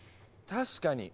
確かに。